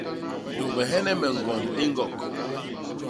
Tômbhene me ñgond i ñgok.